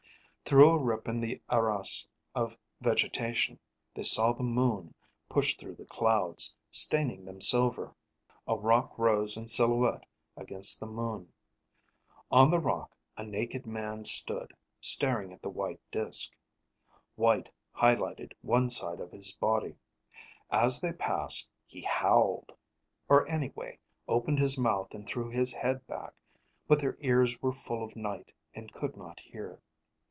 Through a rip in the arras of vegetation, they saw the moon push through the clouds, staining them silver. A rock rose in silhouette against the moon. On the rock a naked man stood, staring at the white disk. White highlighted one side of his body. As they passed, he howled (or anyway, opened his mouth and threw his head back. But their ears were full of night and could not hear.)